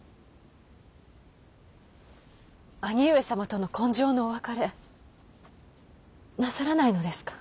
兄上様との今生のお別れなさらないのですか？